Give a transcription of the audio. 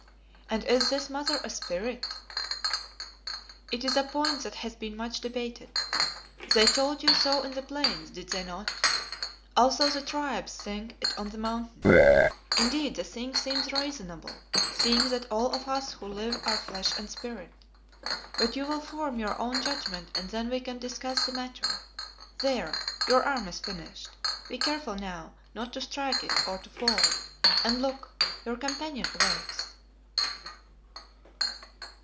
"And is this Mother a spirit?" "It is a point that has been much debated. They told you so in the Plains, did they not? Also the Tribes think it on the Mountain. Indeed, the thing seems reasonable, seeing that all of us who live are flesh and spirit. But you will form your own judgment and then we can discuss the matter. There, your arm is finished. Be careful now not to strike it or to fall, and look, your companion awakes."